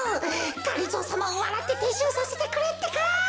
がりぞーさまをわらっててっしゅうさせてくれってか！